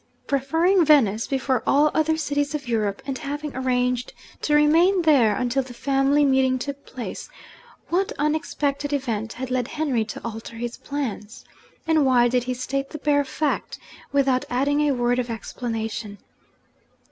Preferring Venice before all other cities of Europe, and having arranged to remain there until the family meeting took place, what unexpected event had led Henry to alter his plans? and why did he state the bare fact, without adding a word of explanation?